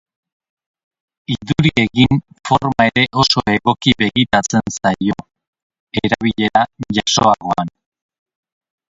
Iduri egin forma ere oso egoki begitatzen zaio, erabilera jasoagoan.